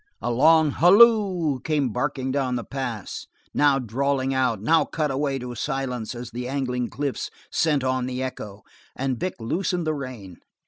A long halloo came barking down the pass, now drawling out, now cut away to silence as the angling cliffs sent on the echo, and Vic loosened the rein.